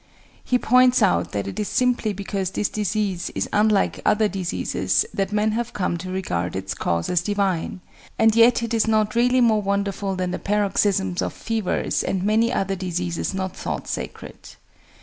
He points out that it is simply because this disease is unlike other diseases that men have come to regard its cause as divine, and yet it is not really more wonderful than the paroxysms of fevers and many other diseases not thought sacred.